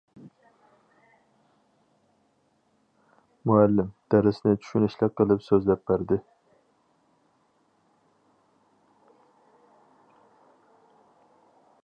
مۇئەللىم دەرسنى چۈشىنىشلىك قىلىپ سۆزلەپ بەردى.